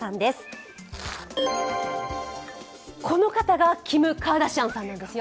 この方がキム・カーダシアンさんなんですよ。